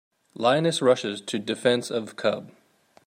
Lioness Rushes to Defense of Cub.